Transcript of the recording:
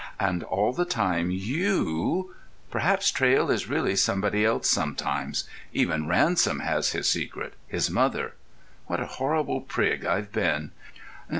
And all the time you.... Perhaps Traill is really somebody else sometimes. Even Ransom has his secret—his mother.... What a horrible prig I've been!"